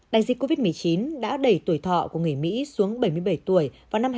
đại dịch covid một mươi chín đã đẩy tuổi thọ của người mỹ xuống bảy mươi bảy tuổi vào năm hai nghìn hai mươi